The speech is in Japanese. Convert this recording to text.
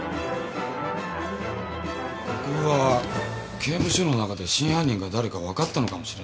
国府は刑務所の中で真犯人が誰か分かったのかもしれない。